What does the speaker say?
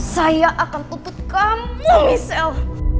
saya akan putut kamu michelle